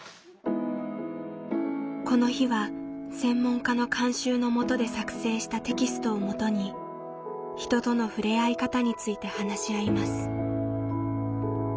この日は専門家の監修のもとで作成したテキストをもとに「人とのふれあい方」について話し合います。